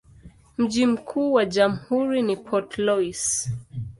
Mji mkuu wa jamhuri ni Port Louis.